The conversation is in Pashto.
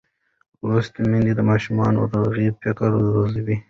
لوستې میندې د ماشوم روغ فکر روزي.